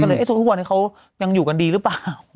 ก็เลยทุกวันนี้เขายังอยู่กันดีหรือเปล่า